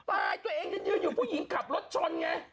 ตายตัวเองยืนอยู่ผู้หญิงขับรถชนไง